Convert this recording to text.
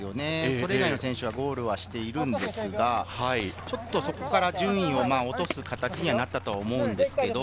それ以外の選手はゴールはしているんですが、ちょっとそこから順位を落とす形にはなったと思うんですけど、